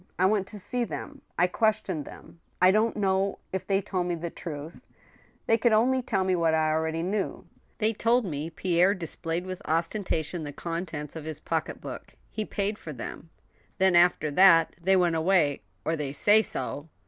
I went to see them. I questioned them. I don't know if they told me the truth — ^they 136 ^^^ STEEL HAMMER. could only tell me what I knew already. ... They told me Pierre displayed with ostentation the contents of his pocket book. He paid for them, ... then after that they went away, or they say so